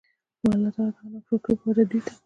نو الله تعالی د دغه ناشکرۍ په وجه دوی ته